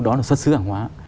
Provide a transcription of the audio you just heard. đó là xuất xứ hàng hóa